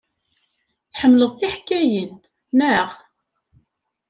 Tḥemmled tiḥkayin, naɣ?